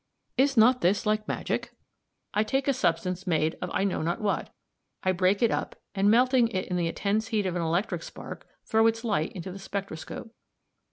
Is not this like magic? I take a substance made of I know not what; I break it up, and, melting it in the intense heat of an electric spark, throw its light into the spectroscope.